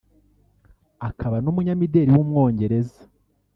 akaba n’umunyamideli w’umwongereza